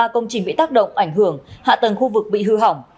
ba công trình bị tác động ảnh hưởng hạ tầng khu vực bị hư hỏng